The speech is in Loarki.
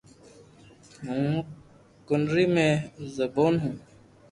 ھون ڪنري مي ريون هون